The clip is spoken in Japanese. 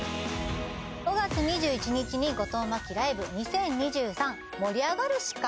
５月２１日に後藤真希ＬＩＶＥ２０２３−盛り上がるしか！？